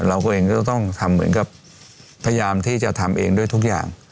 เราก็เองก็ต้องทำเหมือนกับพยายามที่จะทำเองด้วยทุกอย่าง